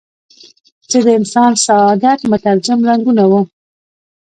چې د انسان سعادت مترجم رنګونه وو.